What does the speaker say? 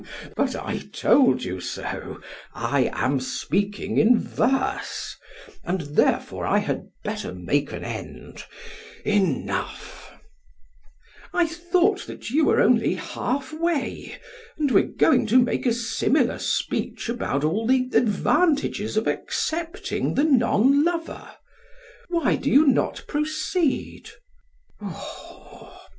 But I told you so, I am speaking in verse, and therefore I had better make an end; enough. PHAEDRUS: I thought that you were only half way and were going to make a similar speech about all the advantages of accepting the non lover. Why do you not proceed?